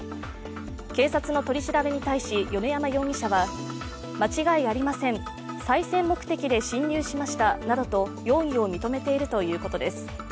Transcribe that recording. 警察の取り調べに対し、米山容疑者は、間違いありません、さい銭目的で侵入しましたなどと容疑を認めているということです。